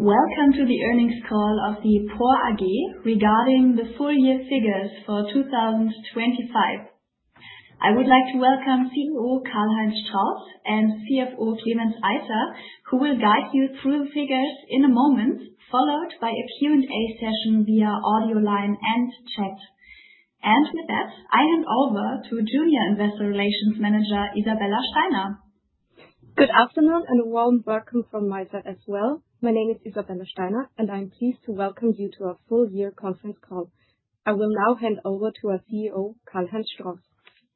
Welcome to the earnings call of the PORR AG regarding the full year figures for 2025. I would like to welcome CEO Karl-Heinz Strauss and CFO Klemens Eiter, who will guide you through the figures in a moment, followed by a Q&A session via audio line and chat. With that, I hand over to Junior Investor Relations Manager Isabella Steiner. Good afternoon and a warm welcome from my side as well. My name is Isabella Steiner, and I'm pleased to welcome you to our full year conference call. I will now hand over to our CEO, Karl-Heinz Strauss.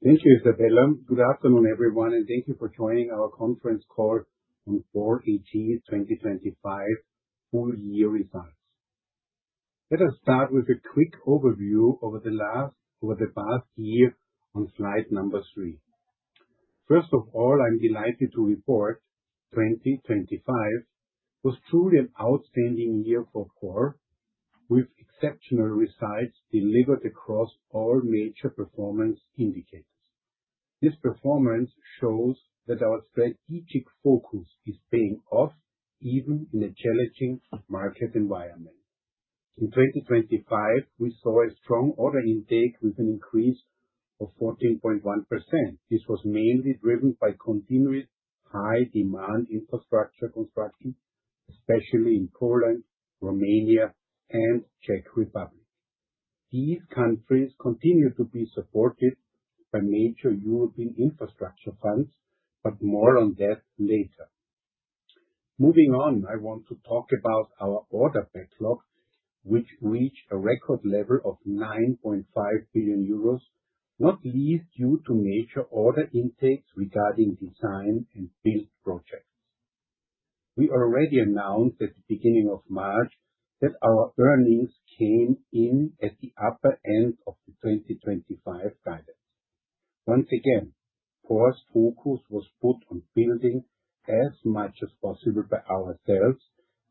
Thank you, Isabella. Good afternoon, everyone, and thank you for joining our conference call on PORR AG 2025 full year results. Let us start with a quick overview over the past year on slide number three. First of all, I'm delighted to report 2025 was truly an outstanding year for PORR, with exceptional results delivered across all major performance indicators. This performance shows that our strategic focus is paying off even in a challenging market environment. In 2025, we saw a strong order intake with an increase of 14.1%. This was mainly driven by continuous high demand infrastructure construction, especially in Poland, Romania, and Czech Republic. These countries continue to be supported by major European infrastructure funds, but more on that later. Moving on, I want to talk about our order backlog, which reached a record level of 9.5 billion euros, not least due to major order intakes regarding design and build projects. We already announced at the beginning of March that our earnings came in at the upper end of the 2025 guidance. Once again, PORR's focus was put on building as much as possible by ourselves,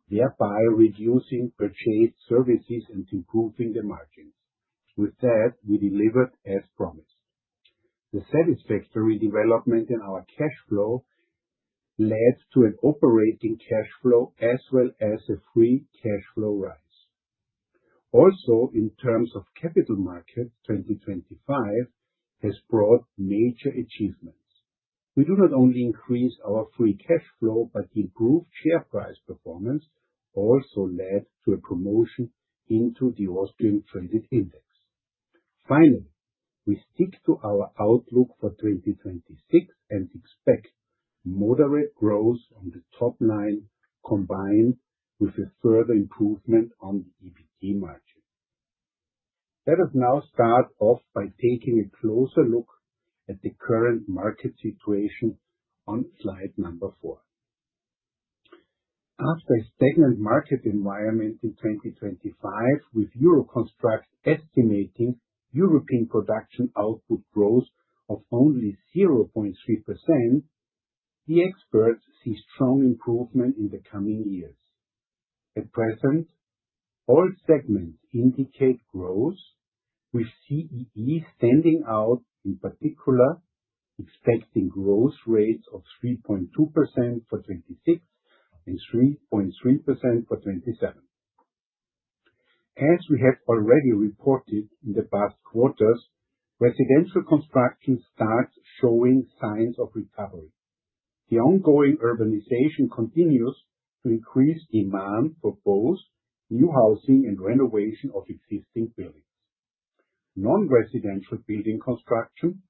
thereby reducing purchased services and improving the margins. With that, we delivered as promised. The satisfactory development in our cash flow led to an operating cash flow as well as a free cash flow rise. Also, in terms of capital markets, 2025 has brought major achievements. We do not only increase our free cash flow, but the improved share price performance also led to a promotion into the Austrian traded index. Finally, we stick to our outlook for 2026 and expect moderate growth on the top line combined with a further improvement on the EBIT margin. Let us now start off by taking a closer look at the current market situation on slide number four. After a stagnant market environment in 2025, with EUROCONSTRUCT estimating European production output growth of only 0.3%, the experts see strong improvement in the coming years. At present, all segments indicate growth, with CEE standing out in particular, expecting growth rates of 3.2% for 2026 and 3.3% for 2027. We have already reported in the past quarters, residential construction starts showing signs of recovery. The ongoing urbanization continues to increase demand for both new housing and renovation of existing buildings. Non-residential building construction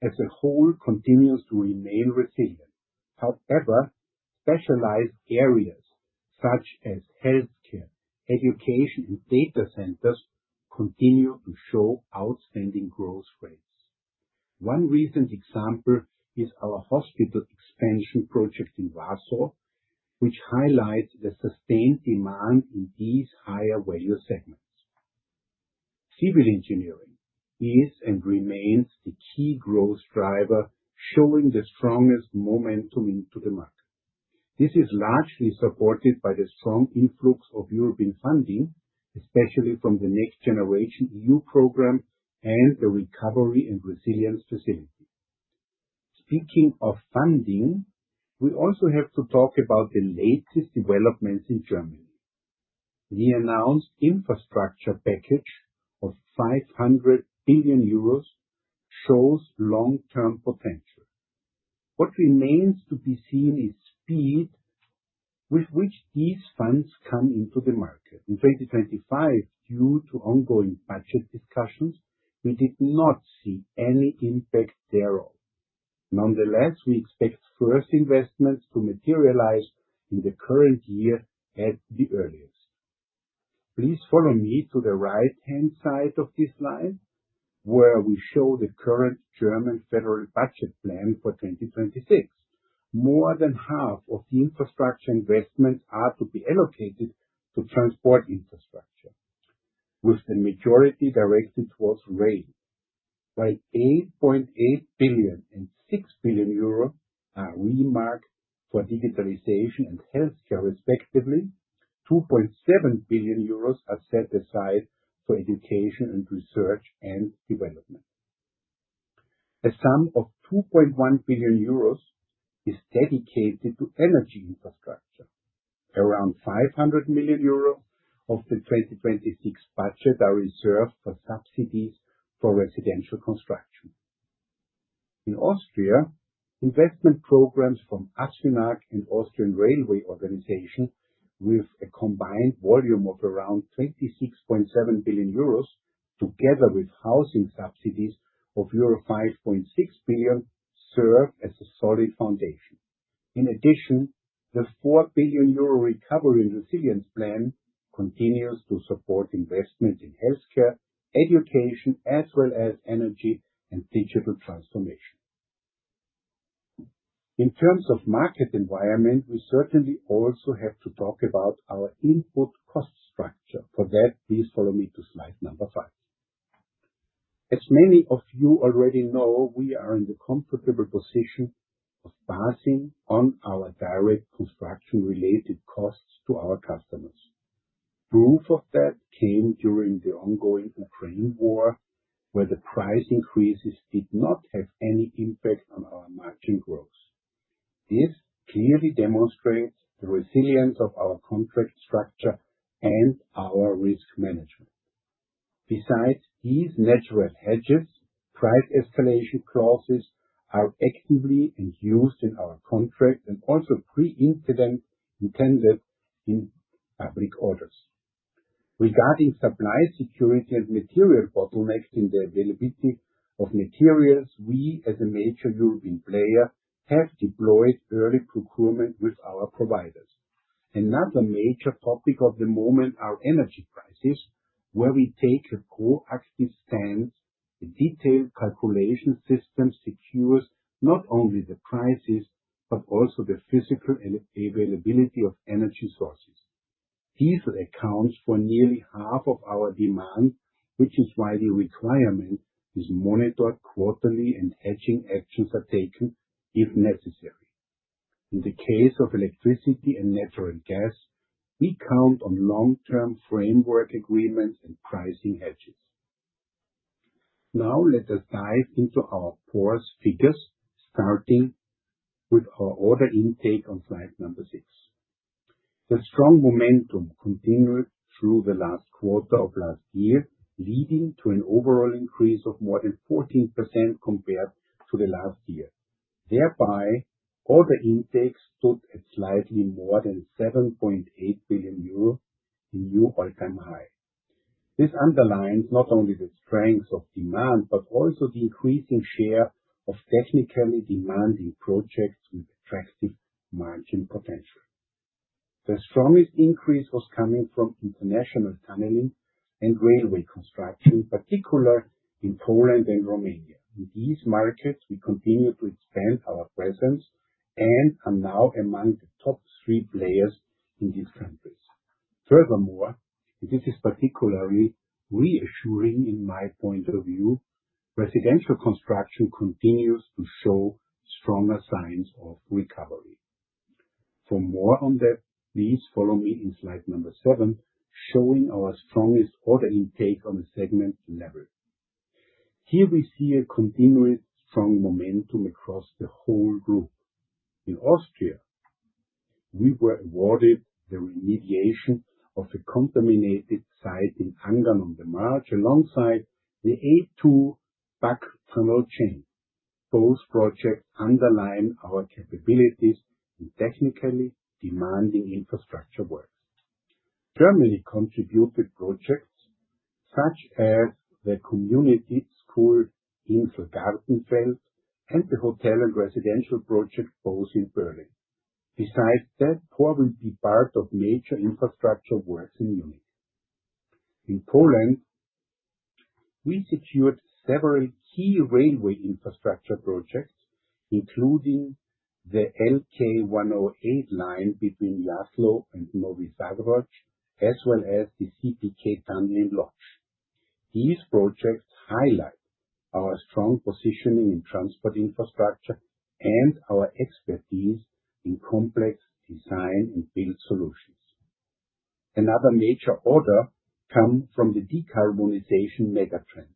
as a whole continues to remain resilient. However, specialized areas such as healthcare, education, and data centers continue to show outstanding growth rates. One recent example is our hospital expansion project in Warsaw, which highlights the sustained demand in these higher value segments. Civil engineering is and remains the key growth driver, showing the strongest momentum into the market. This is largely supported by the strong influx of European funding, especially from the NextGenerationEU program and the Recovery and Resilience Facility. Speaking of funding, we also have to talk about the latest developments in Germany. The announced infrastructure package of 500 billion euros shows long-term potential. What remains to be seen is the speed with which these funds come into the market. In 2025, due to ongoing budget discussions, we did not see any impact thereof. Nonetheless, we expect first investments to materialize in the current year at the earliest. Please follow me to the right-hand side of this slide, where we show the current German federal budget plan for 2026. More than half of the infrastructure investments are to be allocated to transport infrastructure, with the majority directed towards rail. While 8.8 billion and 6 billion euro are earmarked for digitalization and healthcare respectively, 2.7 billion euros are set aside for education and research and development. A sum of 2.1 billion euros is dedicated to energy infrastructure. Around 500 million euros of the 2026 budget are reserved for subsidies for residential construction. In Austria, investment programs from ASFINAG and ÖBB, with a combined volume of around 26.7 billion euros, together with housing subsidies of euro 5.6 billion, serve as a solid foundation. In addition, the 4 billion euro recovery and resilience plan continues to support investment in healthcare, education, as well as energy and digital transformation. In terms of market environment, we certainly also have to talk about our input cost structure. For that, please follow me to slide number five. As many of you already know, we are in the comfortable position of passing on our direct construction-related costs to our customers. Proof of that came during the ongoing Ukraine war, where the price increases did not have any impact on our margin growth. This clearly demonstrates the resilience of our contract structure and our risk management. Besides these natural hedges, price escalation clauses are actively used in our contract and also pre-implemented in public orders. Regarding supply security and material bottlenecks in the availability of materials, we, as a major European player, have deployed early procurement with our suppliers. Another major topic of the moment are energy prices, where we take a proactive stance. A detailed calculation system secures not only the prices, but also the physical availability of energy sources. Diesel accounts for nearly half of our demand, which is why the requirement is monitored quarterly, and hedging actions are taken if necessary. In the case of electricity and natural gas, we count on long-term framework agreements and pricing hedges. Now let us dive into our PORR's figures, starting with our order intake on slide number six. The strong momentum continued through the last quarter of last year, leading to an overall increase of more than 14% compared to the last year. Thereby, order intake stood at slightly more than 7.8 billion euro, a new all-time high. This underlines not only the strength of demand, but also the increasing share of technically demanding projects with attractive margin potential. The strongest increase was coming from international tunneling and railway construction, particularly in Poland and Romania. In these markets, we continue to expand our presence and are now among the top three players in these countries. Furthermore, this is particularly reassuring, in my point of view. Residential construction continues to show stronger signs of recovery. For more on that, please follow me in slide number seven, showing our strongest order intake on a segment level. Here we see a continued strong momentum across the whole group. In Austria, we were awarded the remediation of a contaminated site in Angern an der March alongside the A2 Pack Tunnel Chain. Both projects underline our capabilities in technically demanding infrastructure works. Germany contributed projects such as the Community School in Gartenfeld and the hotel and residential project both in Berlin. Besides that, PORR will be part of major infrastructure works in Munich. In Poland, we secured several key railway infrastructure projects, including the LK 108 line between Jasło and Nowy Sącz, as well as the CPK Tunnel in Łódź. These projects highlight our strong positioning in transport infrastructure and our expertise in complex design-build solutions. Another major order comes from the decarbonization megatrend.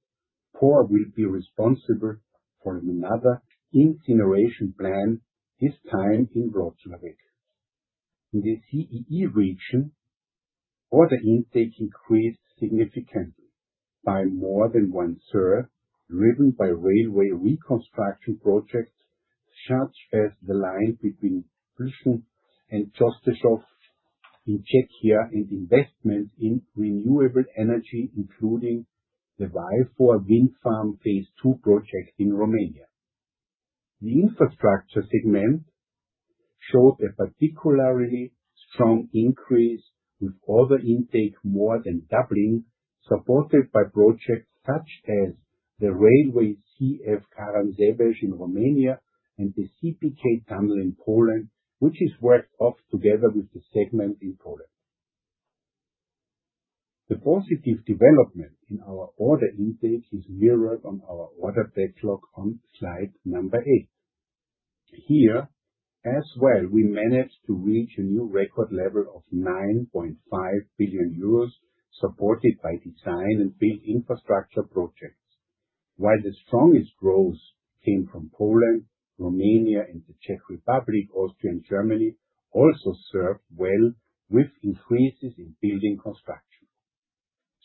PORR will be responsible for another incineration plant, this time in Wrocław. In the CEE region, order intake increased significantly by more than one third, driven by railway reconstruction projects such as the line between Plzeň and Častež in Czechia, and investment in renewable energy, including the Vifor Wind Farm phase two project in Romania. The infrastructure segment showed a particularly strong increase, with order intake more than doubling, supported by projects such as the railway CF Caransebeș in Romania and the CPK Tunnel in Poland, which is worked off together with the segment in Poland. The positive development in our order intake is mirrored on our order backlog on slide number eight. Here as well, we managed to reach a new record level of 9.5 billion euros, supported by design-build infrastructure projects. While the strongest growth came from Poland, Romania and the Czech Republic, Austria and Germany also served well with increases in building construction.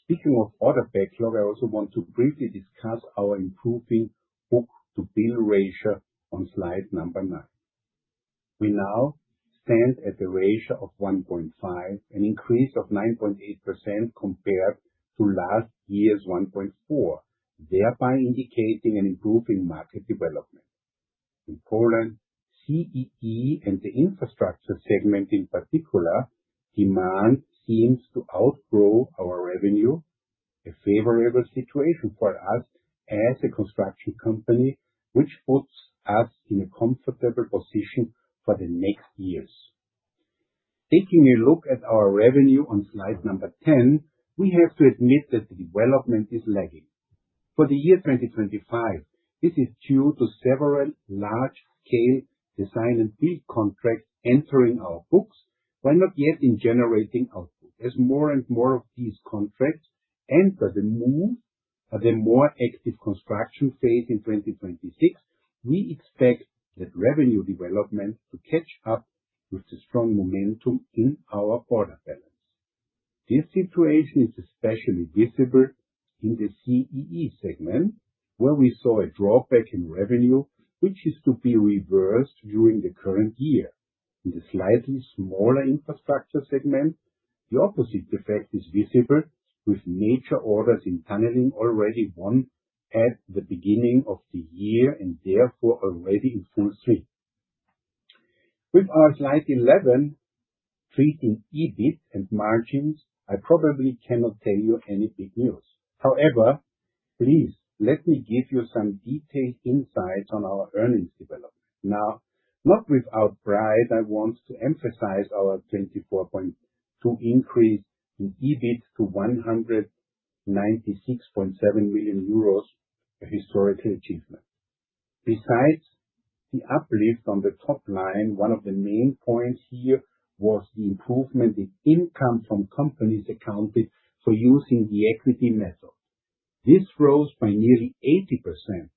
Speaking of order backlog, I also want to briefly discuss our improving book-to-bill ratio on slide number nine. We now stand at the ratio of 1.5, an increase of 9.8% compared to last year's 1.4, thereby indicating an improving market development. In Poland, CEE and the infrastructure segment in particular, demand seems to outgrow our revenue, a favorable situation for us as a construction company, which puts us in a comfortable position for the next years. Taking a look at our revenue on slide 10, we have to admit that the development is lagging. For the year 2025, this is due to several large-scale design and build contracts entering our books while not yet generating output. As more and more of these contracts enter a more active construction phase in 2026, we expect that revenue development to catch up with the strong momentum in our order balance. This situation is especially visible in the CEE segment, where we saw a drop back in revenue, which is to be reversed during the current year. In the slightly smaller infrastructure segment, the opposite effect is visible, with major orders in tunneling already won at the beginning of the year and therefore already in full swing. With our slide 11 treating EBIT and margins, I probably cannot tell you any big news. However, please let me give you some detailed insights on our earnings development. Now, not without pride, I want to emphasize our 24.2% increase in EBIT to 196.7 million euros, a historical achievement. Besides the uplift on the top line, one of the main points here was the improvement in income from companies accounted for using the equity method. This rose by nearly 80%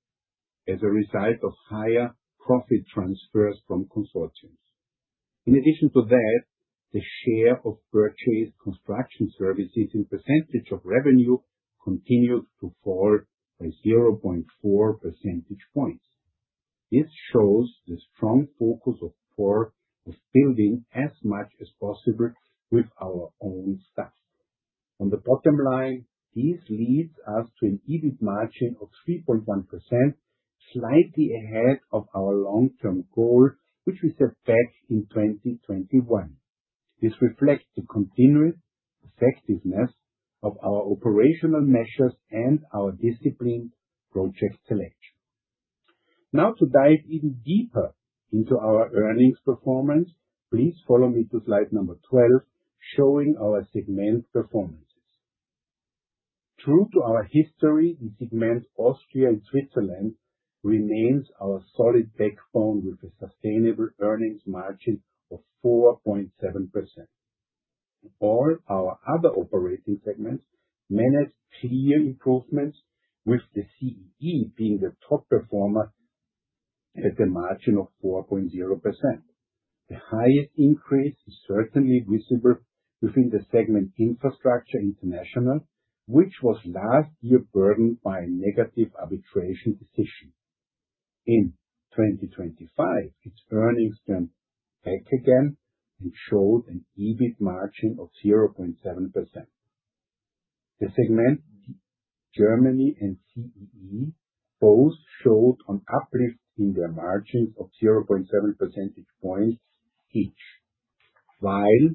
as a result of higher profit transfers from consortiums. In addition to that, the share of purchased construction services in percentage of revenue continued to fall by 0.4 percentage points. This shows the strong focus of PORR of building as much as possible with our own staff. On the bottom line, this leads us to an EBIT margin of 3.1%, slightly ahead of our long-term goal, which we set back in 2021. This reflects the continued effectiveness of our operational measures and our disciplined project selection. Now to dive even deeper into our earnings performance, please follow me to slide number 12, showing our segment performances. True to our history, the segment Austria and Switzerland remains our solid backbone with a sustainable earnings margin of 4.7%. All our other operating segments managed clear improvements, with the CEE being the top performer at a margin of 4.0%. The highest increase is certainly visible within the segment Infrastructure International, which was last year burdened by a negative arbitration decision. In 2025, its earnings turned back again and showed an EBIT margin of 0.7%. The segment Germany and CEE both showed an uplift in their margins of 0.7 percentage points each. While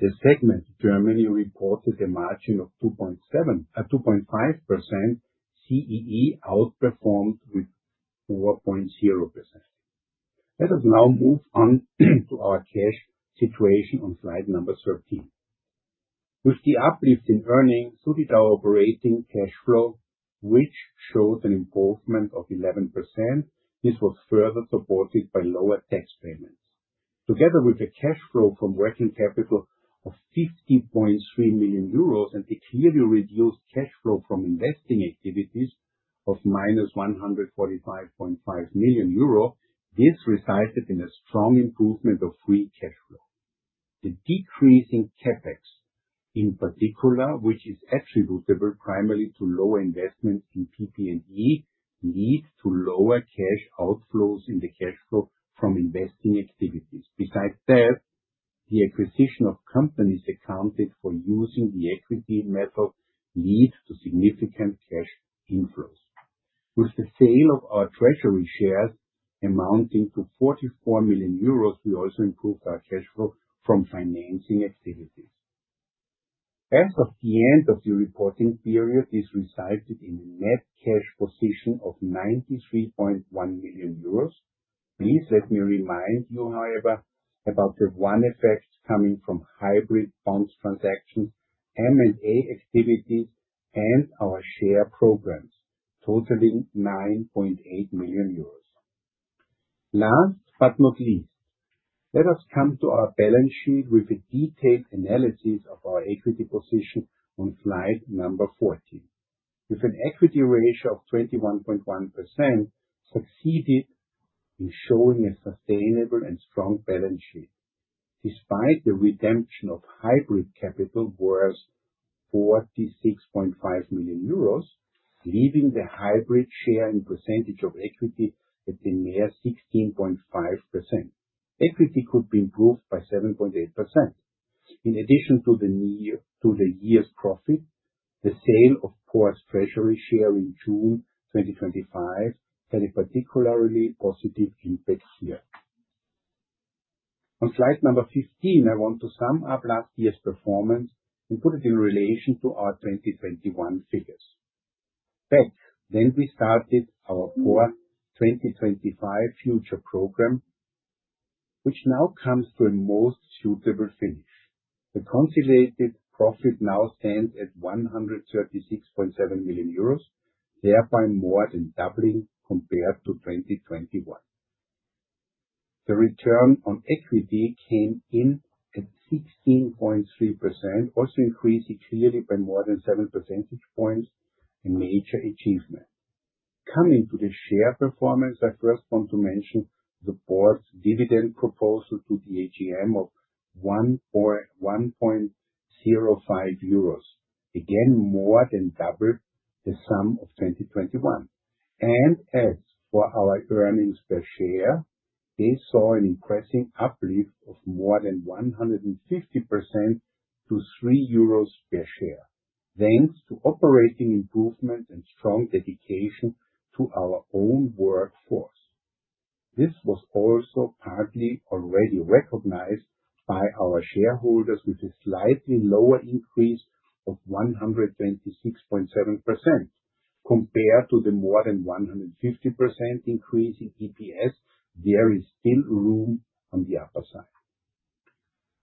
the segment Germany reported a margin of 2.5%, CEE outperformed with 4.0%. Let us now move on to our cash situation on slide 13. With the uplift in earnings, so did our operating cash flow, which shows an improvement of 11%. This was further supported by lower tax payments. Together with the cash flow from working capital of 50.3 million euros and a clearly reduced cash flow from investing activities of -145.5 million euro, this resulted in a strong improvement of free cash flow. The decrease in CapEx, in particular, which is attributable primarily to lower investments in PP&E, leads to lower cash outflows in the cash flow from investing activities. Besides that, the acquisition of companies accounted for using the equity method leads to significant cash inflows. With the sale of our treasury shares amounting to 44 million euros, we also improved our cash flow from financing activities. As of the end of the reporting period, this resulted in a net cash position of 93.1 million euros. Please let me remind you, however, about the one effect coming from hybrid bonds transactions, M&A activities, and our share programs totaling 9.8 million euros. Last but not least, let us come to our balance sheet with a detailed analysis of our equity position on slide 14. With an equity ratio of 21.1% we succeeded in showing a sustainable and strong balance sheet. Despite the redemption of hybrid capital worth 46.5 million euros, leaving the hybrid share and percentage of equity at a mere 16.5%. Equity could be improved by 7.8%. In addition to the net profit for the year, the sale, of course, treasury share in June 2025 had a particularly positive impact here. On slide number 15, I want to sum up last year's performance and put it in relation to our 2021 figures. Back then we started our core PORR 2025, which now comes to a most suitable finish. The consolidated profit now stands at 136.7 million euros, thereby more than doubling compared to 2021. The return on equity came in at 16.3%, also increasing clearly by more than seven percentage points. A major achievement. Coming to the share performance, I first want to mention the board's dividend proposal to the AGM of 1.05 euros. Again, more than double the sum of 2021. As for our earnings per share, they saw an impressive uplift of more than 150% to 3 euros per share, thanks to operating improvement and strong dedication to our own workforce. This was also partly already recognized by our shareholders with a slightly lower increase of 126.7% compared to the more than 150% increase in EPS. There is still room on the upper side.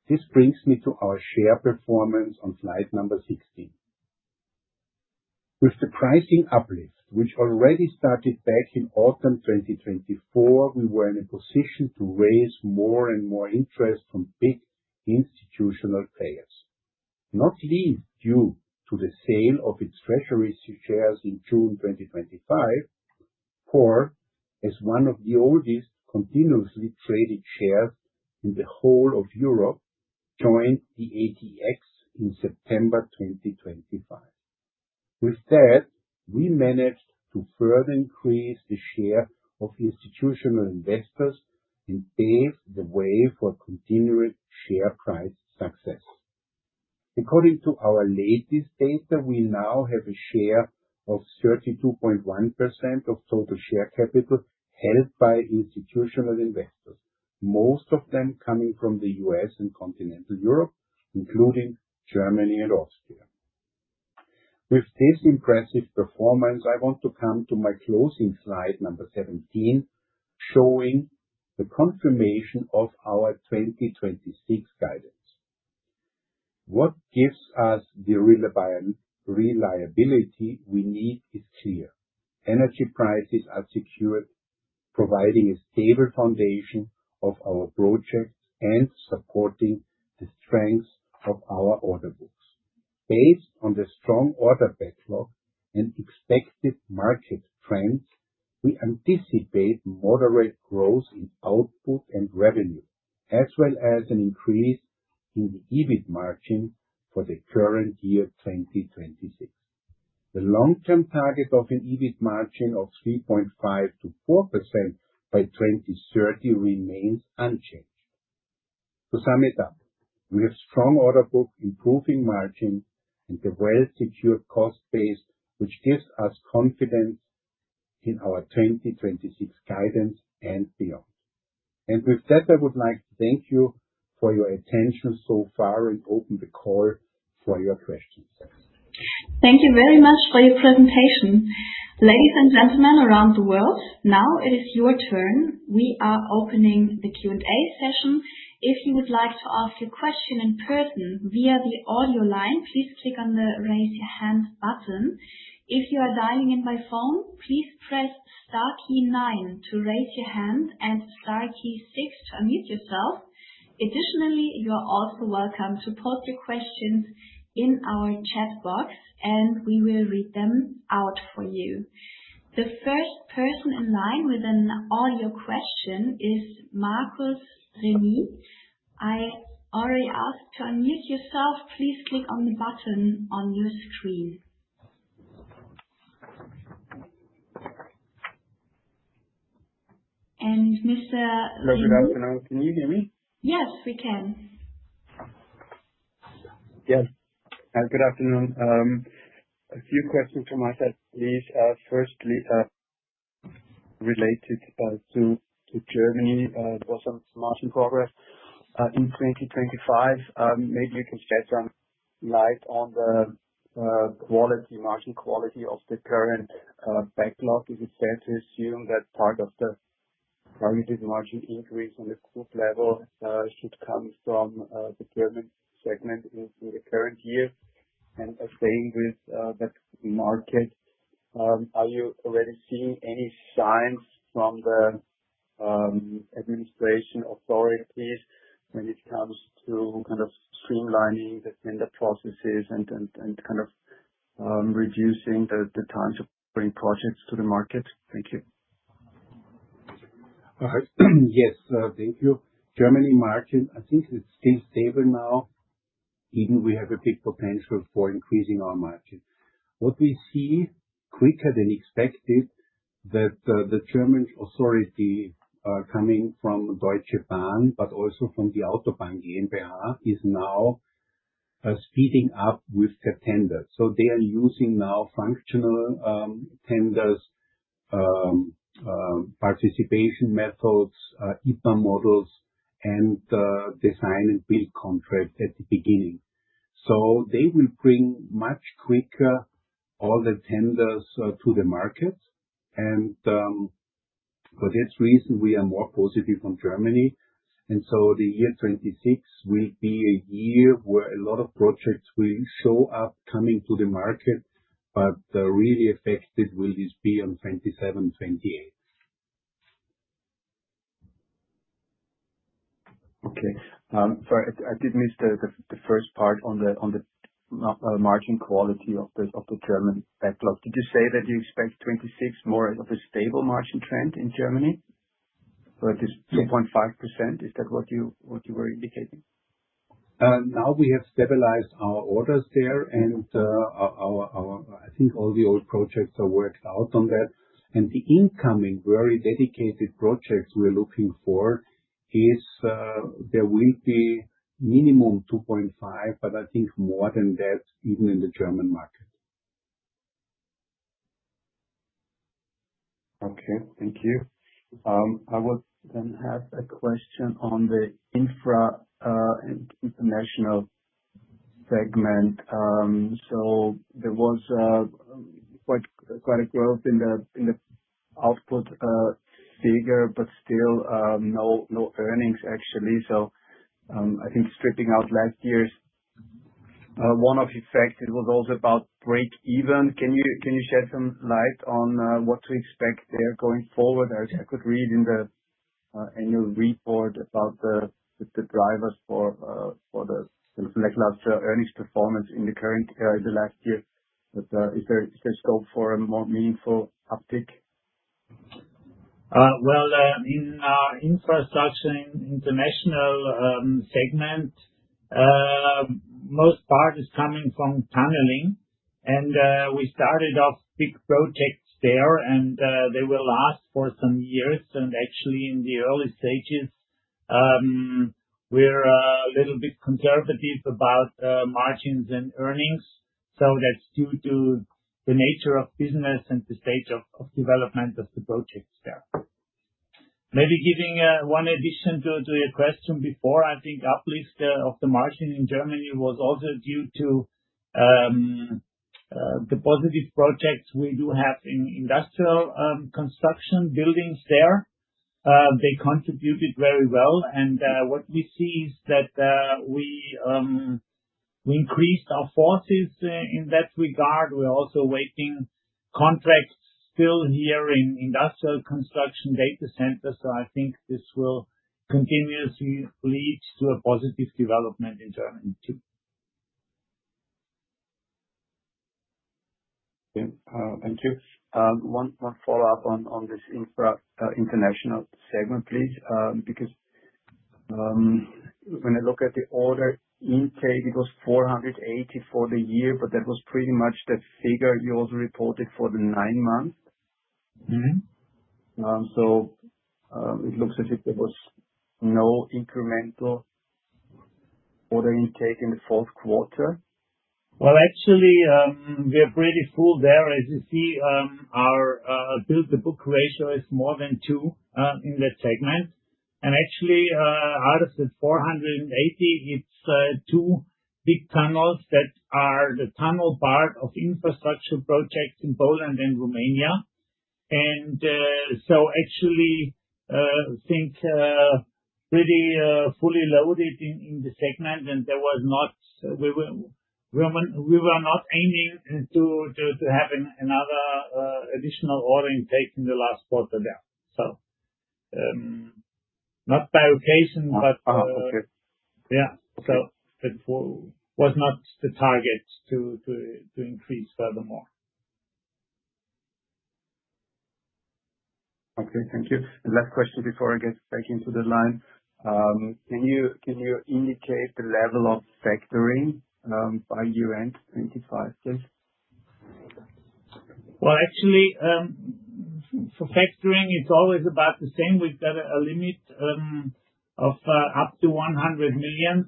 This brings me to our share performance on slide 16. With the pricing uplift, which already started back in autumn 2024, we were in a position to raise more and more interest from big institutional players. Not least due to the sale of its treasury shares in June 2025. PORR is one of the oldest continuously traded shares in the whole of Europe, joined the ATX in September 2025. With that, we managed to further increase the share of institutional investors and pave the way for continuing share price success. According to our latest data, we now have a share of 32.1% of total share capital held by institutional investors, most of them coming from the U.S. and continental Europe, including Germany and Austria. With this impressive performance, I want to come to my closing slide number 17, showing the confirmation of our 2026 guidance. What gives us the reliability we need is clear. Energy prices are secured, providing a stable foundation of our projects and supporting the strengths of our order books. Based on the strong order backlog and expected market trends, we anticipate moderate growth in output and revenue, as well as an increase in the EBIT margin for the current year, 2026. The long-term target of an EBIT margin of 3.5%-4% by 2030 remains unchanged. To sum it up, we have strong order book, improving margin and a well-secured cost base, which gives us confidence in our 2026 guidance and beyond. With that, I would like to thank you for your attention so far and open the call for your questions. Thank you very much for your presentation. Ladies and gentlemen around the world, now it is your turn. We are opening the Q&A session. If you would like to ask a question in person via the audio line, please click on the Raise Your Hand button. If you are dialing in by phone, please press star key nine to raise your hand and star key six to unmute yourself. Additionally, you are also welcome to post your questions in our chat box and we will read them out for you. The first person in line with an audio question is Markus Remis. I already asked to unmute yourself. Please click on the button on your screen. Mr. Remy? Hello. Good afternoon. Can you hear me? Yes, we can. Yes. Good afternoon. A few questions from my side, please. Firstly, related to Germany. There was some margin progress in 2025. Maybe you can share some light on the quality, margin quality of the current backlog. Is it fair to assume that part of the targeted margin increase on the group level should come from the German segment into the current year? Staying with that market, are you already seeing any signs from the administration authorities when it comes to kind of streamlining the tender processes and kind of reducing the times of bringing projects to the market? Thank you. Yes, thank you. Germany margin, I think it's still stable now, even we have a big potential for increasing our margin. What we see quicker than expected that the German authority coming from Deutsche Bahn, but also from the Autobahn GmbH, is now speeding up with the tender. They are using now functional tenders participation methods IPA models and design-build contracts at the beginning. They will bring much quicker all the tenders to the market. For this reason, we are more positive on Germany. The year 2026 will be a year where a lot of projects will show up coming to the market, but really affected will this be on 2027, 2028. Okay. Sorry, I did miss the first part on the margin quality of the German backlog. Did you say that you expect 26 more of a stable margin trend in Germany? It is 2.5%, is that what you were indicating? Now we have stabilized our orders there. I think all the old projects are worked out on that. The incoming very dedicated projects we're looking for is there will be minimum 2.5%, but I think more than that even in the German market. Okay. Thank you. I would have a question on the infra and international segment. There was quite a growth in the output figure, but still no earnings actually. I think stripping out last year's one-off effect, it was also about break even. Can you shed some light on what to expect there going forward? As I could read in the annual report about the drivers for the international earnings performance in the current the last year. Is there scope for a more meaningful uptick? Well, in our infrastructure and international segment, most part is coming from tunneling. We started off big projects there, and they will last for some years. Actually in the early stages, we're a little bit conservative about margins and earnings. That's due to the nature of business and the stage of development of the projects there. Maybe giving one addition to your question before, I think uplift of the margin in Germany was also due to the positive projects we do have in industrial construction buildings there. They contributed very well. What we see is that we increased our forces in that regard. We're also awaiting contracts still here in industrial construction data centers. I think this will continuously lead to a positive development in Germany too. Just one follow-up on this infra international segment, please. Because when I look at the order intake, it was 480 for the year, but that was pretty much the figure you also reported for the nine months. Mm-hmm. It looks as if there was no incremental order intake in the fourth quarter. Well, actually, we are pretty full there. As you see, our book-to-bill ratio is more than two in that segment. Actually, out of the 480, it's two big tunnels that are the tunnel part of infrastructure projects in Poland and Romania. Actually, things are pretty fully loaded in the segment, and we were not aiming to have another additional order intake in the last quarter there. Not by coincidence, but Oh, okay. Yeah. Okay. It was not the target to increase furthermore. Okay, thank you. Last question before I get back into the line. Can you indicate the level of factoring by year-end 2025, please? Well, actually, for factoring, it's always about the same. We've got a limit of up to 100 million.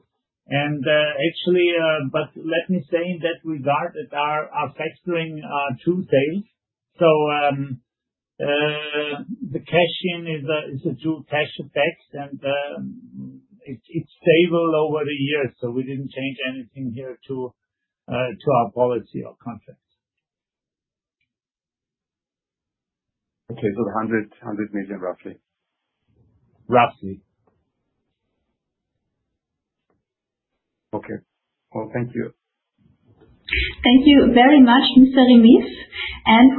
Actually, but let me say in that regard that our factoring are two days. The cash in is a dual cash effect and it's stable over the years, so we didn't change anything here to our policy or contract. Roughly EUR 100 million. Roughly. Okay. Well, thank you. Thank you very much, Mr. Remis.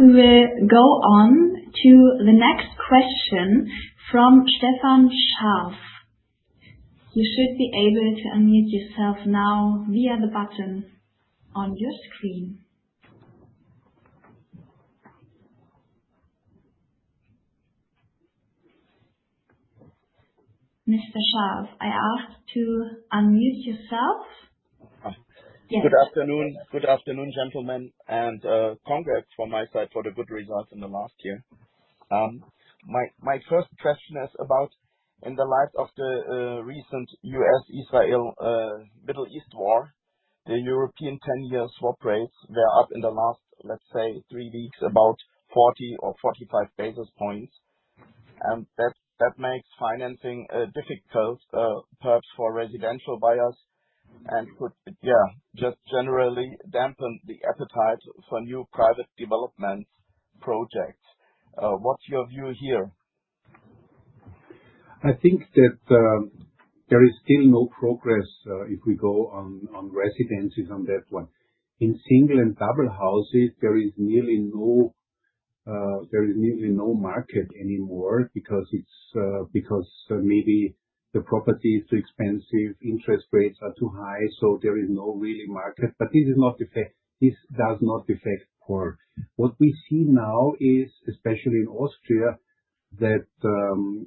We will go on to the next question from Stefan Scharff. You should be able to unmute yourself now via the button on your screen. Mr. Scharff, I ask you to unmute yourself. Good afternoon. Good afternoon, gentlemen. Congrats from my side for the good results in the last year. My first question is about in the light of the recent U.S.-Iran Middle East war. The European ten-year swap rates, they are up in the last, let's say, three weeks, about 40 or 45 basis points. That makes financing difficult, perhaps for residential buyers and could just generally dampen the appetite for new private development projects. What's your view here? I think that there is still no progress if we go on residences on that one. In single and double houses there is nearly no market anymore because maybe the property is too expensive, interest rates are too high. There is no real market. This does not affect PORR. What we see now is especially in Austria that the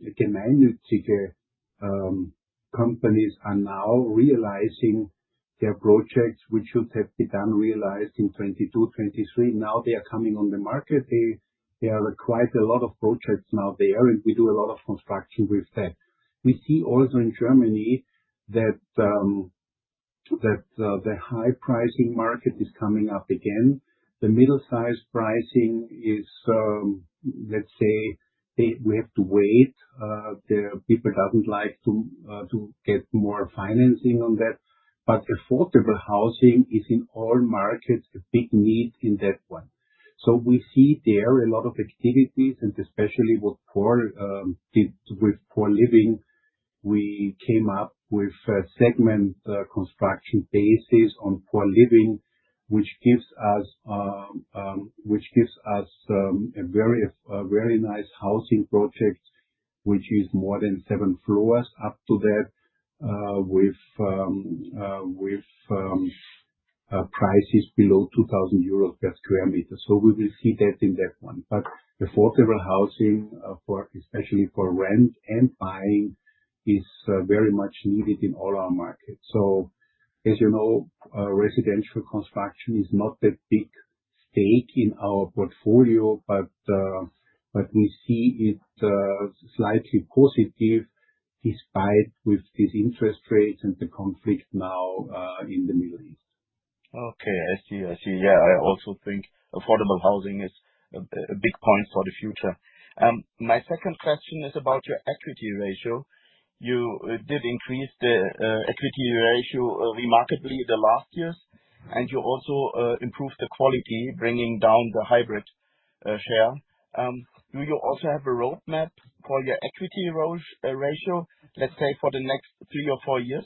companies are now realizing their projects which should have been realized in 2022, 2023. Now they are coming on the market. There are quite a lot of projects now there and we do a lot of construction with that. We see also in Germany that the high pricing market is coming up again. The middle size pricing is let's say we have to wait. The people doesn't like to get more financing on that. Affordable housing is in all markets a big need in that one. We see there a lot of activities and especially what PORR did with PORR Living. We came up with a segment, construction based on PORR Living, which gives us a very nice housing project, which is more than seven floors up to that, with prices below 2,000 euros per sq m. We will see that in that one. Affordable housing, especially for rent and buying, is very much needed in all our markets. As you know, residential construction is not a big stake in our portfolio, but we see it slightly positive despite with these interest rates and the conflict now in the Middle East. I see. Yeah, I also think affordable housing is a big point for the future. My second question is about your equity ratio. You did increase the equity ratio remarkably the last years, and you also improved the quality, bringing down the hybrid share. Do you also have a roadmap for your equity ratio, let's say for the next three or four years?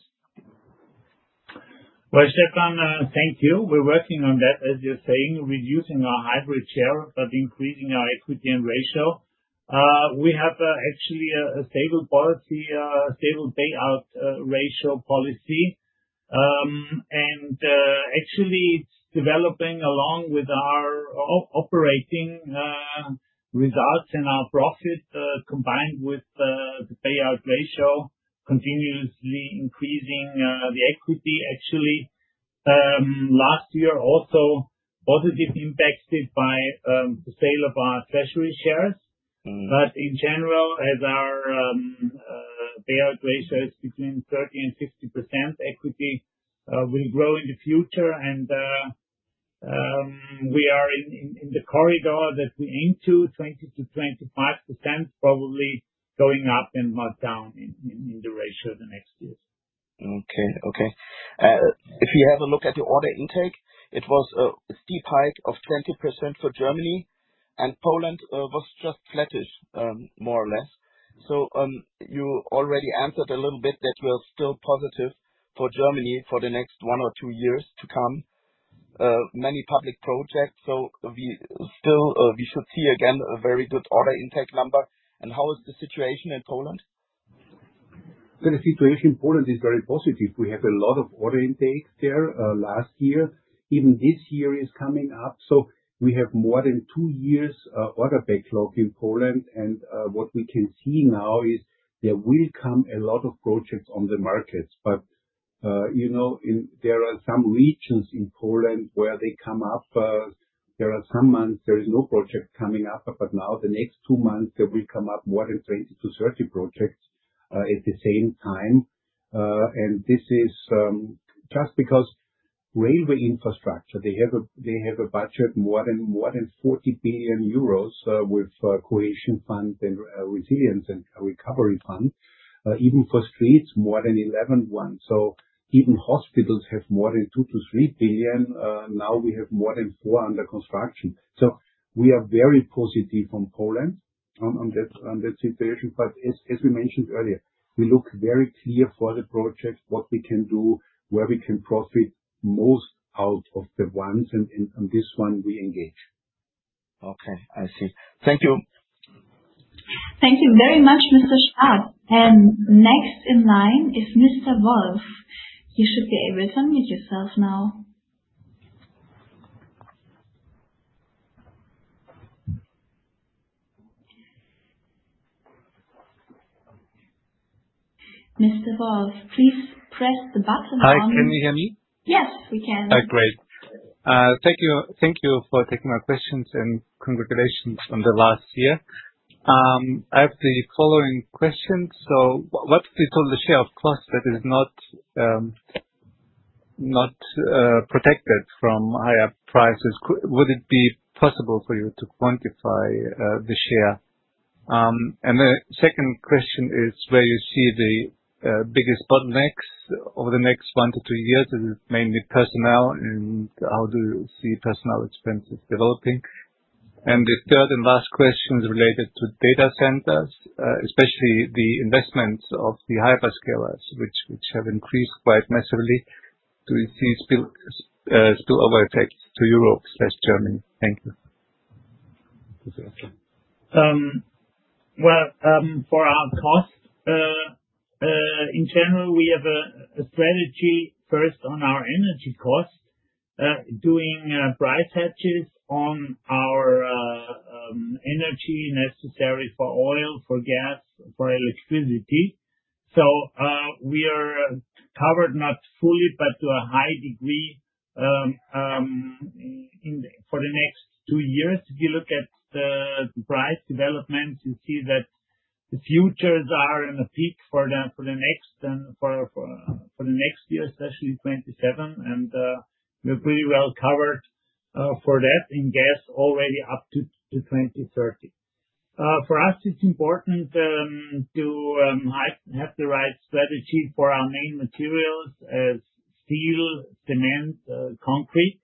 Well, Stefan, thank you. We're working on that, as you're saying, reducing our hybrid share, but increasing our equity and ratio. We have actually a stable policy, stable payout ratio policy. Actually it's developing along with our operating results and our profit combined with the payout ratio continuously increasing the equity. Actually last year also positively impacted by the sale of our treasury shares. Mm-hmm. In general, as our payout ratio is between 30% and 60% equity, will grow in the future and we are in the corridor that we aim to 20%-25%, probably going up and not down in the ratio the next years. If you have a look at your order intake, it was a steep hike of 20% for Germany and Poland was just flattish, more or less. You already answered a little bit that we're still positive for Germany for the next one or two years to come. Many public projects, we still should see again a very good order intake number. How is the situation in Poland? The situation in Poland is very positive. We have a lot of order intake there last year. Even this year is coming up. We have more than two years of order backlog in Poland. What we can see now is there will come a lot of projects on the markets, but you know, there are some regions in Poland where they come up, there are some months there is no project coming up. Now the next two months, there will come up more than 20-30 projects at the same time. This is just because railway infrastructure. They have a budget more than 40 billion euros with Cohesion Fund and resilience and recovery fund. Even for streets, more than 11.1 billion. Even hospitals have more than 2 billion-3 billion. Now we have more than four under construction. We are very positive on Poland, on that situation. As we mentioned earlier, we look very clear for the projects, what we can do, where we can profit most out of the ones and on this one we engage. Okay. I see. Thank you. Thank you very much, Mr. Scharff. Next in line is Mr. Wolf. You should be able to unmute yourself now. Mr. Wolf, please press the button on your- Hi. Can you hear me? Yes, we can. Oh, great. Thank you. Thank you for taking my questions and congratulations on the last year. I have the following questions. What percentage of costs that is not protected from higher prices? Would it be possible for you to quantify the share? The second question is where you see the biggest bottlenecks over the next 1-2 years, and mainly personnel, and how do you see personnel expenses developing? The third and last question is related to data centers, especially the investments of the hyperscalers, which have increased quite massively. Do you see spillover effects to Europe/Germany? Thank you. Well, for our costs, in general, we have a strategy first on our energy costs, doing price hedges on our energy necessary for oil, for gas, for electricity. We are covered not fully, but to a high degree, for the next two years. If you look at the price developments, you see that the futures are in a peak for the next year, especially in 2027. We're pretty well covered for that in gas already up to 2030. For us, it's important to have the right strategy for our main materials as steel, cement, concrete.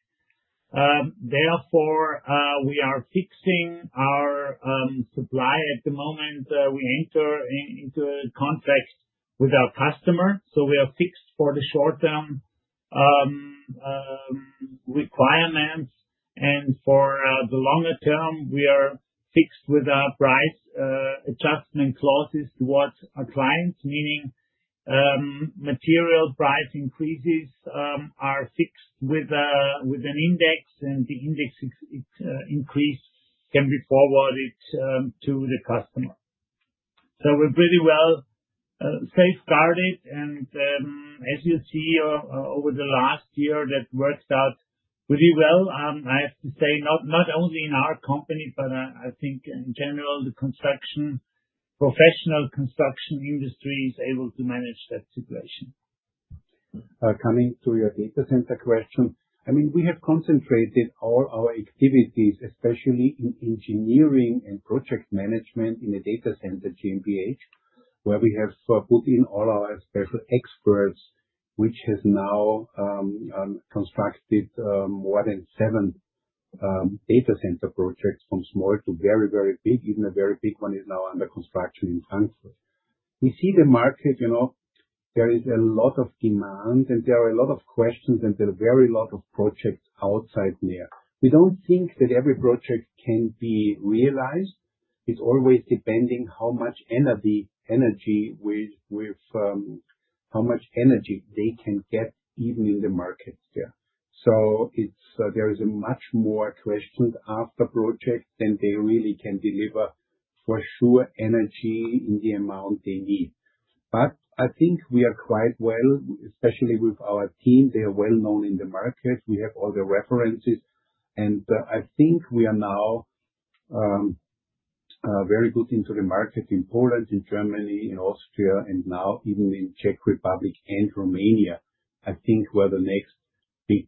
Therefore, we are fixing our supply at the moment. We enter into a contract with our customer, so we are fixed for the short term requirements. For the longer term, we are fixed with our price adjustment clauses towards our clients, meaning material price increases are fixed with an index, and the index increase can be forwarded to the customer. We're pretty well safeguarded. As you see over the last year, that worked out pretty well. I have to say not only in our company, but I think in general the professional construction industry is able to manage that situation. Coming to your data center question. I mean, we have concentrated all our activities, especially in engineering and project management in the Data Center GmbH, where we have sort of put in all our special experts, which has now constructed more than seven data center projects from small to very, very big. Even a very big one is now under construction in Frankfurt. We see the market, you know. There is a lot of demand and there are a lot of questions, and there are a very lot of projects out there. We don't think that every project can be realized. It's always depending on how much energy they can get even in the market there. So there are many more questions after projects than they really can deliver energy for sure in the amount they need. I think we are quite well, especially with our team. They are well-known in the market. We have all the references, and I think we are now very good in the market in Poland, in Germany, in Austria, and now even in Czech Republic and Romania, I think where the next big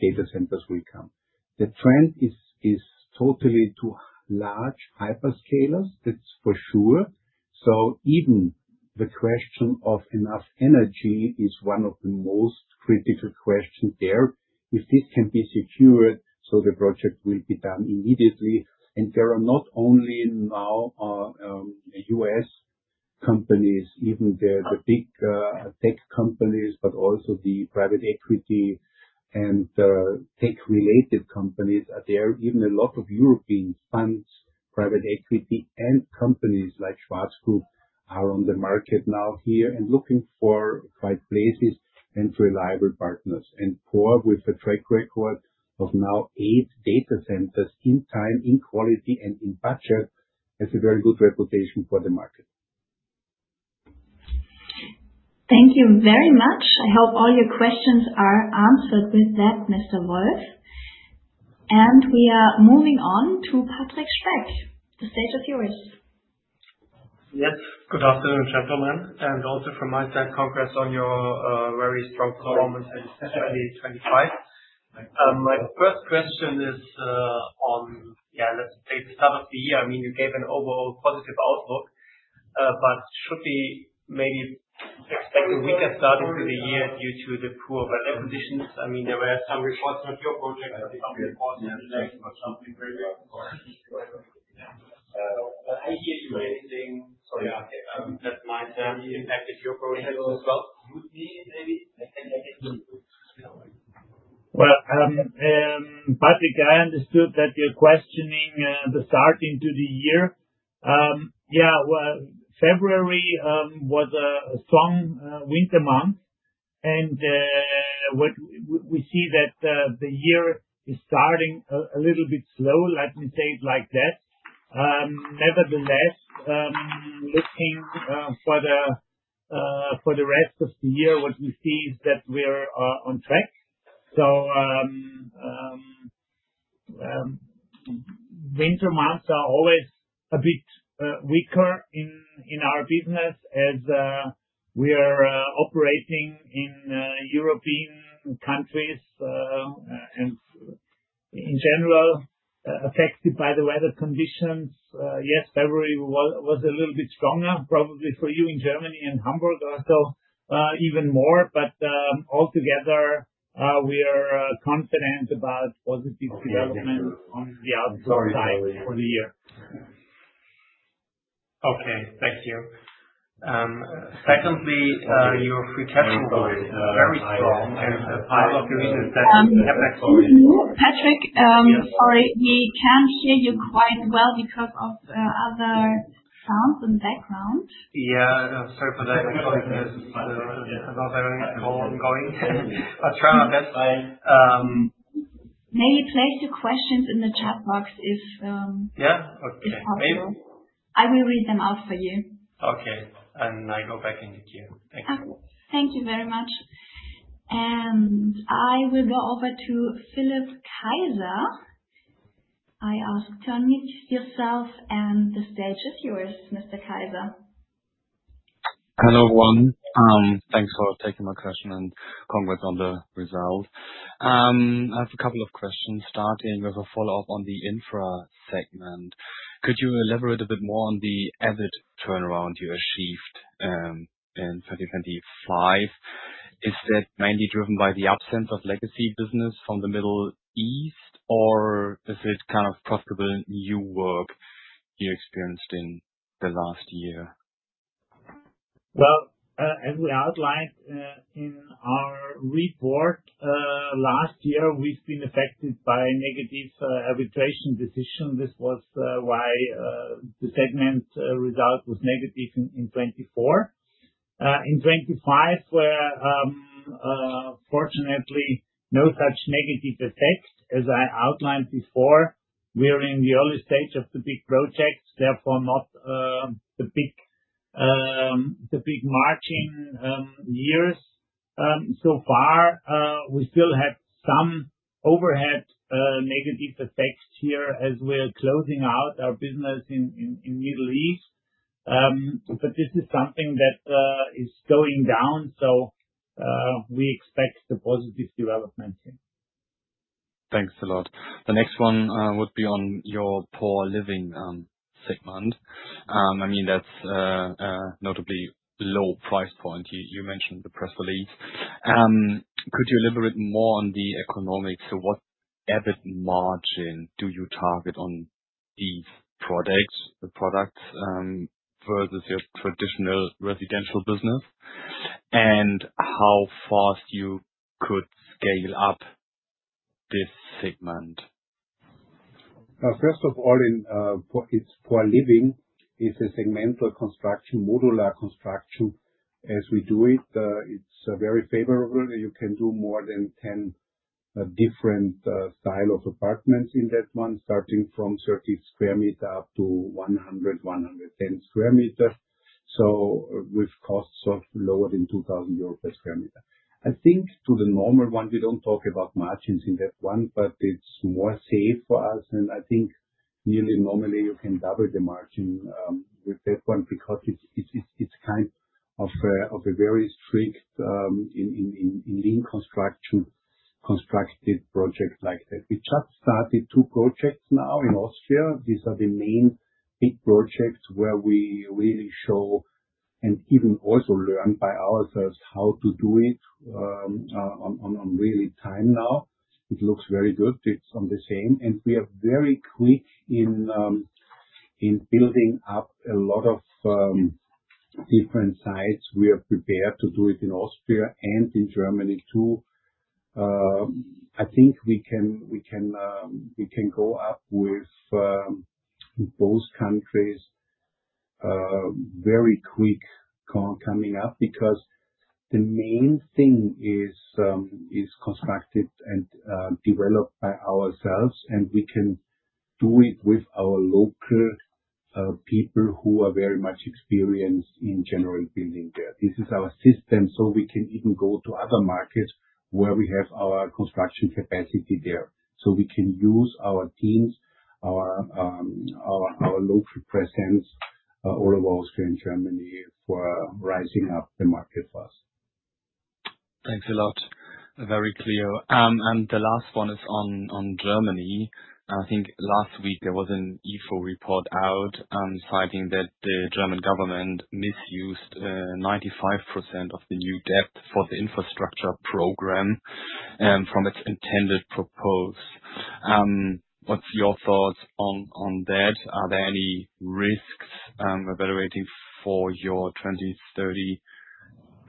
data centers will come. The trend is totally to large hyperscalers, that's for sure. Even the question of enough energy is one of the most critical questions there. If this can be secured, the project will be done immediately. There are not only U.S. companies, even the big tech companies, but also the private equity and tech related companies are there. Even a lot of European funds, private equity and companies like Schwarz Group are on the market now here and looking for quiet places and reliable partners. PORR with a track record of now eight data centers in time, in quality, and in budget, has a very good reputation for the market. Thank you very much. I hope all your questions are answered with that, Mr. Wolf. We are moving on to Patrick Speck. The stage is yours. Yes. Good afternoon, gentlemen, and also from my side, congrats on your very strong performance in 2025. My first question is, yeah, let's say the start of the year. I mean, you gave an overall positive outlook, but should we maybe expect a weaker start into the year due to the poor weather conditions? I mean, there were some reports about your projects. Well, Patrick, I understood that you're questioning the start of the year. Yeah, well, February was a strong winter month, and what we see that the year is starting a little bit slow, let me say it like that. Nevertheless, looking for the rest of the year, what we see is that we're on track. Winter months are always a bit weaker in our business as we are operating in European countries and in general affected by the weather conditions. Yes, February was a little bit stronger probably for you in Germany and Hamburg also even more, but altogether we are confident about positive development on the outdoor side for the year. Okay. Thank you. Secondly, your free cash flow is very strong. Part of the reason is that Excuse me, Patrick. Sorry, we can't hear you quite well because of other sounds in background. Yeah, sorry for that. I'm having a call ongoing. I'll try my best. Maybe place your questions in the chat box if Yeah. Okay. If possible. I will read them out for you. Okay. I go back in the queue. Thank you. Thank you very much. I will go over to Philipp Kaiser. I ask to unmute yourself, and the stage is yours, Mr. Kaiser. Hello, everyone. Thanks for taking my question and congrats on the result. I have a couple of questions starting with a follow-up on the infra segment. Could you elaborate a bit more on the EBIT turnaround you achieved in 2025? Is that mainly driven by the absence of legacy business from the Middle East, or is it kind of profitable new work you experienced in the last year? Well, as we outlined in our report last year, we've been affected by a negative arbitration decision. This was why the segment result was negative in 2024. In 2025, fortunately, no such negative effect as I outlined before, we're in the early stage of the big projects, therefore not the big margin years. So far, we still have some overhead negative effects here as we're closing out our business in the Middle East. This is something that is going down. We expect a positive development here. Thanks a lot. The next one would be on your PORR Living segment. I mean, that's a notably low price point. You mentioned the press release. Could you elaborate more on the economics? What EBIT margin do you target on these products versus your traditional residential business, and how fast you could scale up this segment? PORR Living is a segmental construction, modular construction. As we do it's very favorable. You can do more than 10 different style of apartments in that one, starting from 30 sq m up to 100 sq m, 110 sq m. So with costs lower than 2,000 euros per sq m. I think to the normal one, we don't talk about margins in that one, but it's more safe for us. I think nearly normally you can double the margin with that one because it's kind of a very strict lean construction constructed project like that. We just started two projects now in Austria. These are the main big projects where we really show and even also learn by ourselves how to do it in real time now. It looks very good. It's on the same. We are very quick in building up a lot of different sites. We are prepared to do it in Austria and in Germany too. I think we can go up with both countries very quickly coming up because the main thing is constructed and developed by ourselves, and we can do it with our local people who are very much experienced in general building there. This is our system, so we can even go to other markets where we have our construction capacity there. We can use our teams, our local presence all over Austria and Germany for rising up the market for us. Thanks a lot. Very clear. The last one is on Germany. I think last week there was an ifo report out, citing that the German government misused 95% of the new debt for the infrastructure program and from its intended purpose. What's your thoughts on that? Are there any risks evaluating for your 2030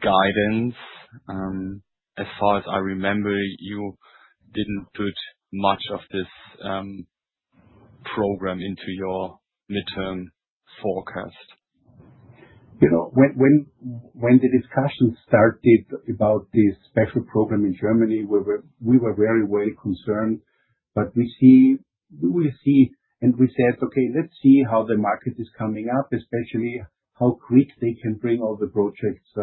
guidance? As far as I remember, you didn't put much of this program into your midterm forecast. You know, when the discussion started about this special program in Germany, we were very well concerned. We see and we said, "Okay, let's see how the market is coming up, especially how quick they can bring all the projects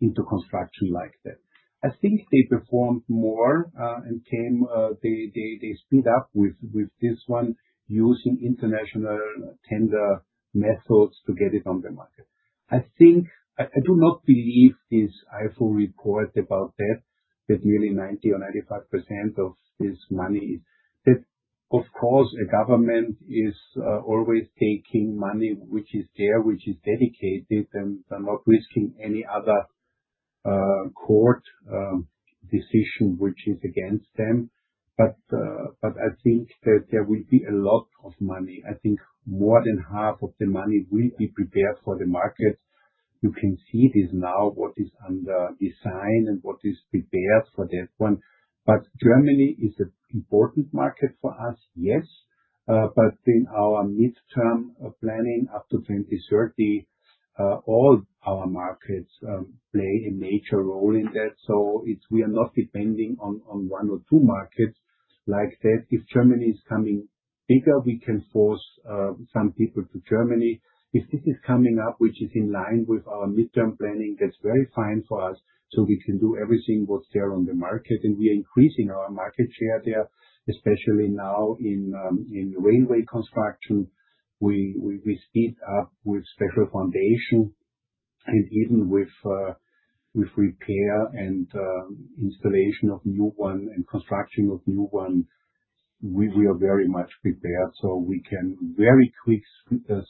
into construction like that." I think they performed more and they speed up with this one using international tender methods to get it on the market. I do not believe this ifo report about that nearly 90% or 95% of this money is that of course a government is always taking money which is there, which is dedicated, and they're not risking any other court decision which is against them. I think that there will be a lot of money. I think more than half of the money will be prepared for the market. You can see this now, what is under design and what is prepared for that one. Germany is an important market for us, yes. In our midterm planning up to 2030, all our markets play a major role in that. We are not depending on one or two markets like that. If Germany is coming bigger, we can force some people to Germany. If this is coming up, which is in line with our midterm planning, that's very fine for us, so we can do everything what's there on the market, and we are increasing our market share there, especially now in railway construction. We speed up with special foundation and even with repair and installation of new one and construction of new one. We are very much prepared, so we can very quick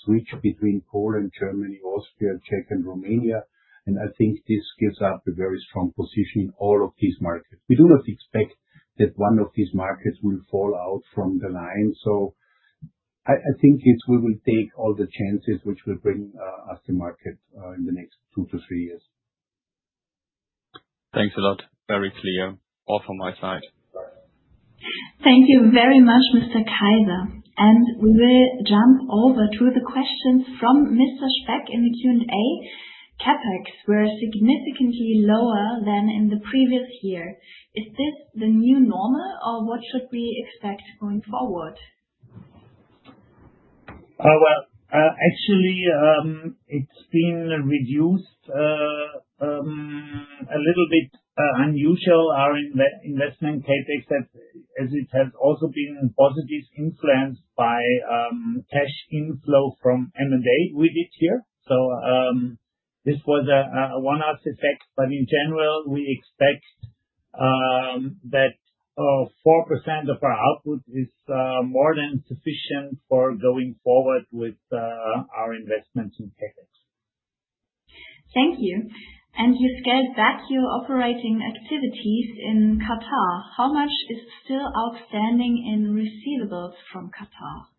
switch between Poland, Germany, Austria, Czech and Romania. I think this gives us a very strong position in all of these markets. We do not expect that one of these markets will fall out from the line. I think it's we will take all the chances which will bring us to market in the next two to three years. Thanks a lot. Very clear. All from my side. Thank you very much, Mr. Kaiser. We'll jump over to the questions from Mr. Speck in the Q&A. CapEx were significantly lower than in the previous year. Is this the new normal or what should we expect going forward? Well, actually, it's been reduced. A little bit unusual, our investment CapEx as it has also been positively influenced by cash inflow from M&A we did here. This was a one-off effect, but in general, we expect that 4% of our output is more than sufficient for going forward with our investments in CapEx. Thank you. You scaled back your operating activities in Qatar. How much is still outstanding in receivables from Qatar?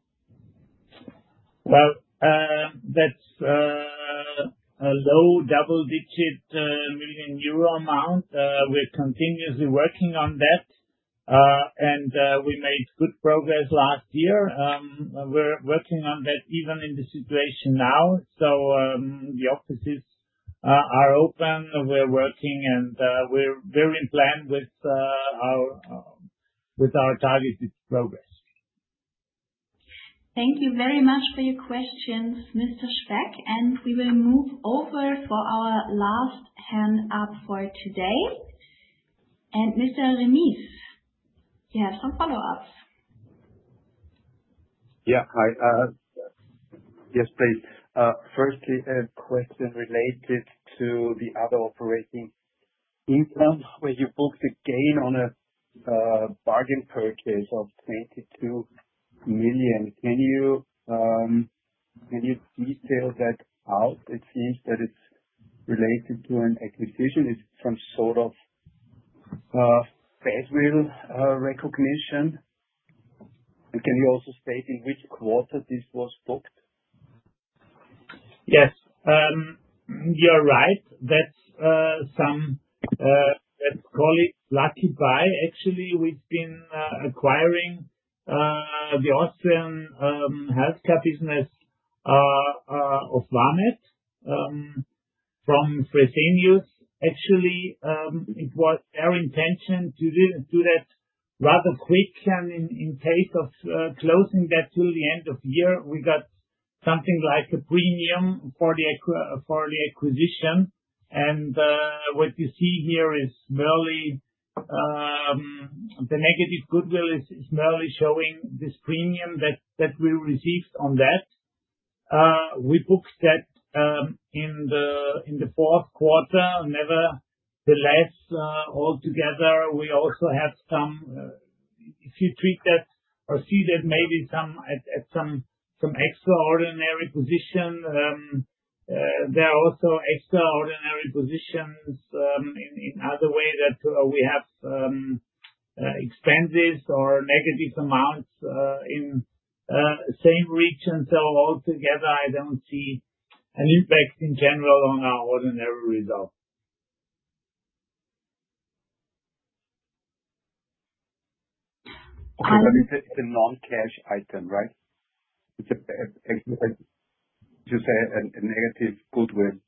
Well, that's a low double-digit million euro amount. We're continuously working on that. We made good progress last year. We're working on that even in the situation now. The offices are open, we're working, and we're very in plan with our targeted progress. Thank you very much for your questions, Mr. Speck. We will move over for our last hand up for today. Mr. Remis, he has some follow-ups. Yeah. Hi. Yes, please. First, a question related to the other operating income where you booked a gain on a bargain purchase of 22 million. Can you detail that out? It seems that it's related to an acquisition. Is it some sort of goodwill recognition? And can you also state in which quarter this was booked? Yes. You're right. That's some lucky buy. Actually, we've been acquiring the Austrian healthcare business of VAMED from Fresenius. Actually, it was our intention to do that rather quick and in case of closing that till the end of year, we got something like a premium for the acquisition. What you see here is merely the negative goodwill is merely showing this premium that we received on that. We booked that in the fourth quarter. Nevertheless, all together we also had some if you treat that or see that maybe some at some extraordinary position. There are also extraordinary positions in another way that we have expenses or negative amounts in same region. All together I don't see an impact in general on our ordinary result. Is it a non-cash item, right? It's a negative goodwill.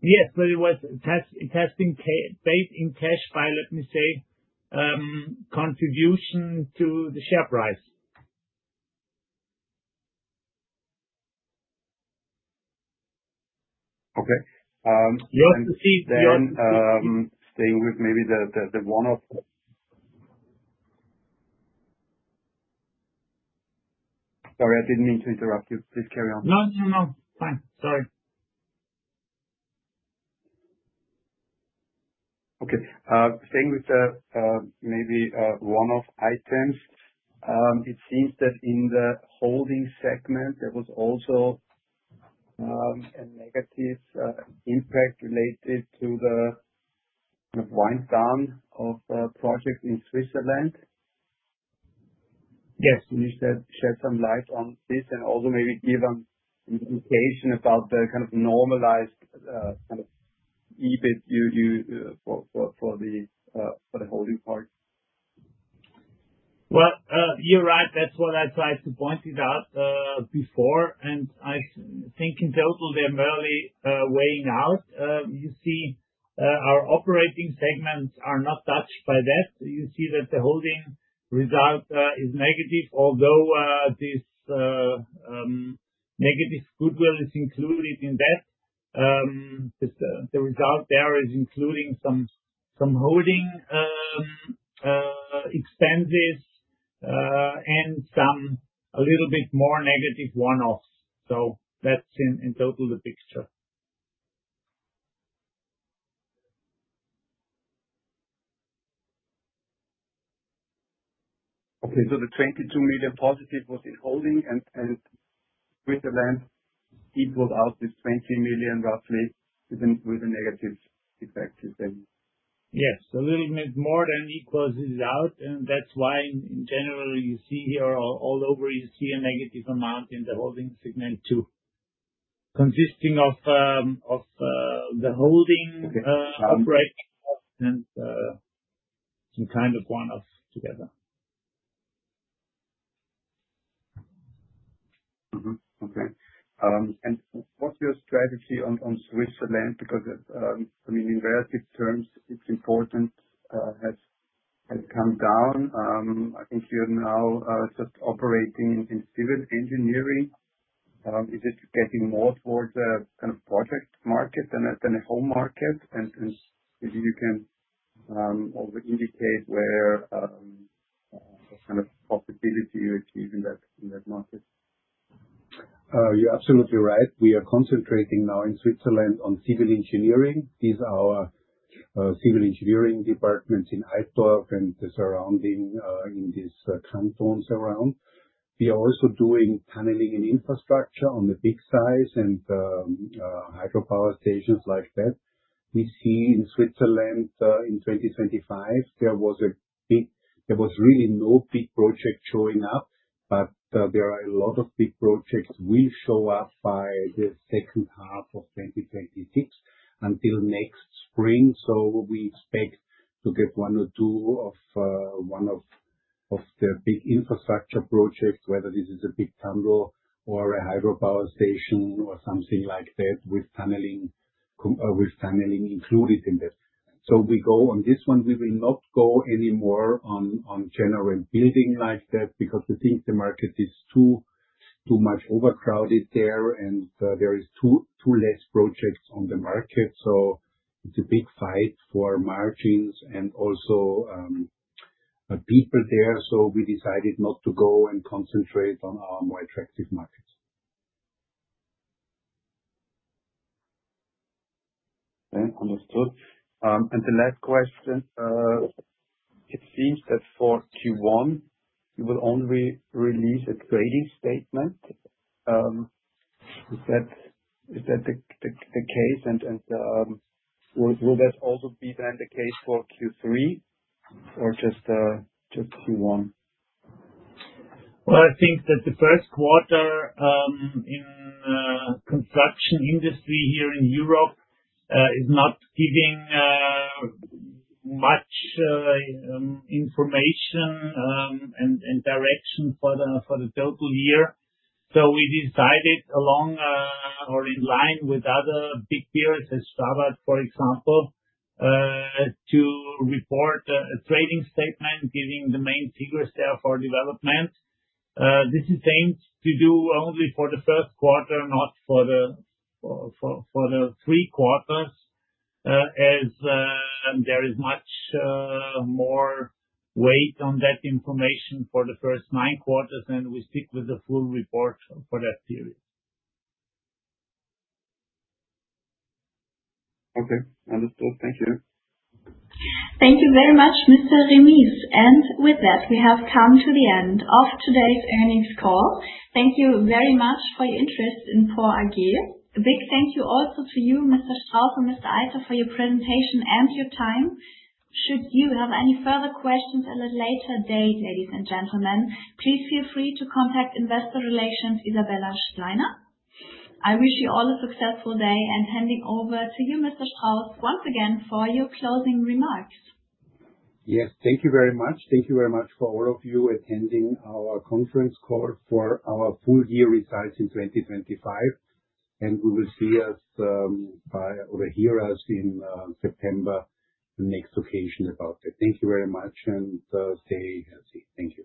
It was cash, it has been paid in cash by, let me say, contribution to the share price. Okay. You have to see. Staying with maybe the one-off. Sorry, I didn't mean to interrupt you. Please carry on. No, no. Fine. Sorry. Okay. Staying with the one-off items. It seems that in the holding segment, there was also a negative impact related to the wind down of a project in Switzerland. Yes. Can you shed some light on this and also maybe give an indication about the kind of normalized kind of EBIT for the holding part? Well, you're right. That's what I tried to point it out before, and I think in total they're merely weighing out. You see, our operating segments are not touched by that. You see that the holding result is negative although this negative goodwill is included in that. The result there is including some holding expenses and some a little bit more negative one-offs. That's in total the picture. Okay. The 22 million positive was in holding and Switzerland equaled out with 20 million roughly with the negative effect you're saying? Yes. A little bit more than usual is out, and that's why in general you see here all over a negative amount in the holding segment too, consisting of the holding outlay and some kind of one-offs together. Okay. What's your strategy on Switzerland? Because I mean, in relative terms it's important, has come down. I think you're now just operating in civil engineering. Is it getting more towards a kind of project market than a home market? If you can also indicate where what kind of possibility you achieve in that market. You're absolutely right. We are concentrating now in Switzerland on civil engineering. These are our civil engineering departments in Altdorf and the surrounding in these cantons around. We are also doing tunneling and infrastructure on the big size and hydropower stations like that. We see in Switzerland, in 2025 there was really no big project showing up, but there are a lot of big projects will show up by the second half of 2026 until next spring. We expect to get one or two of the big infrastructure projects, whether this is a big tunnel or a hydropower station or something like that with tunneling included in that. We go on this one. We will not go any more on general building like that because we think the market is too much overcrowded there and there is too less projects on the market. It's a big fight for margins and also people there. We decided not to go and concentrate on our more attractive markets. Yeah. Understood. The last question. It seems that for Q1 you will only release a trading statement. Is that the case? Will that also be the case for Q3 or just Q1? Well, I think that the first quarter in construction industry here in Europe is not giving much information and direction for the total year. We decided along or in line with other big peers, as STRABAG for example, to report a trading statement giving the main figures there for development. This is aimed to do only for the first quarter, not for the three quarters, as there is much more weight on that information for the first nine months, and we stick with the full report for that period. Okay. Understood. Thank you. Thank you very much, Mr. Remis. With that, we have come to the end of today's earnings call. Thank you very much for your interest in PORR AG. A big thank you also for you, Mr. Strauss and Mr. Eiter, for your presentation and your time. Should you have any further questions at a later date, ladies and gentlemen, please feel free to contact Investor Relations, Isabella Steiner. I wish you all a successful day, and handing over to you, Mr. Strauss, once again for your closing remarks. Yes. Thank you very much. Thank you very much for all of you attending our conference call for our full year results in 2025, and we will see you or hear you in September, the next occasion about it. Thank you very much and stay healthy. Thank you.